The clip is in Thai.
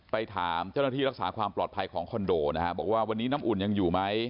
ไปถามเจ้าหน้าที่รักษาความปลอดภัยของคอนโดนะฮะบอกว่าวันนี้น้ำอุ่นยังอยู่ไหม